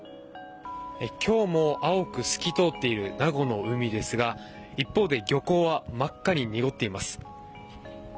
今日も青く透き通っている名護の海ですが一方で漁港は真っ赤に濁っています。